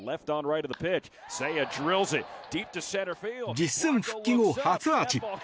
実戦復帰後、初アーチ。